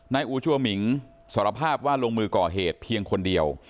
อูชัวหมิงสารภาพว่าลงมือก่อเหตุเพียงคนเดียว